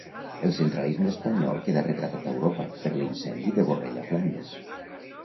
El centralisme espanyol queda retratat a Europa per l'incendi de Borrell a Flandes.